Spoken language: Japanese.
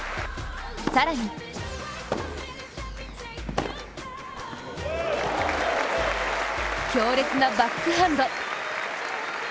更に強烈なバックハンド！